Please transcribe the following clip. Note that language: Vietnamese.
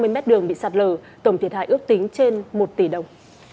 năm mươi mét đường bị sạt lở tổng thiệt hại ước tính trên một tỷ đồng